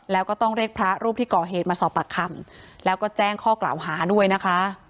แล้วก็ต้องเรียกพระรูปที่ก่อเหตุมาสอบปากคำแล้วก็แจ้งข้อกล่าวหาด้วยนะคะ